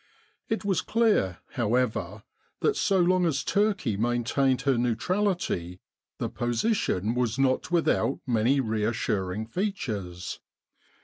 It was clear, however, that so long as Turkey maintained her neutrality, the position was not without many reassur ing features.